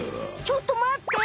ちょっとまって！